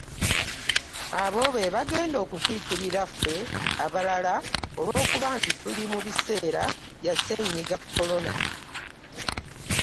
Abo be bagenda okukiikirira ffe abalala olw’okuba nti tuli mu biseera bya Ssenyiga Kolona.